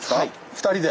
２人で。